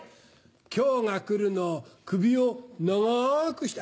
今日が来るのを首を長くして。